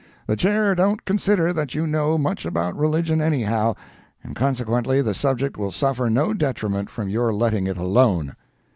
The Chair don't consider that you know much about religion anyhow, and consequently the subject will suffer no detriment from your letting it alone.